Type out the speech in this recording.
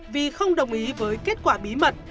vì không đồng ý với kết quả bí mật